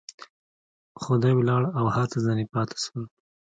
خو دى ولاړ او هر څه ځنې پاته سول.